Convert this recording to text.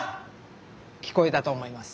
聞こえたと思います。